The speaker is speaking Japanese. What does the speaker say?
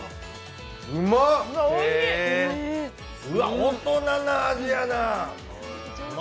うわ、大人な味やな。